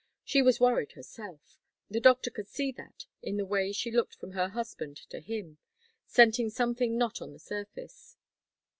She was worried herself; the doctor could see that in the way she looked from her husband to him, scenting something not on the surface.